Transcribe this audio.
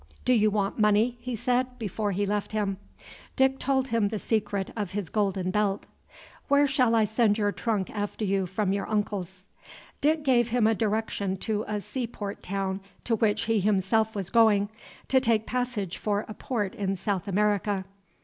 "Do you want money?" he said, before he left him. Dick told him the secret of his golden belt. "Where shall I send your trunk after you from your uncle's?" Dick gave him a direction to a seaport town to which he himself was going, to take passage for a port in South America.